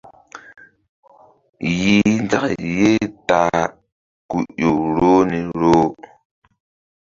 Yih nzak ye ta a ku ƴo roh ni roh.